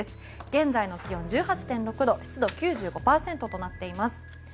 現在の気温は１８．６度湿度は９５％となっています。